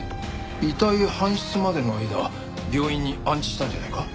遺体搬出までの間病院に安置したんじゃないか？